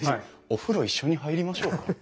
「お風呂一緒に入りましょうか」？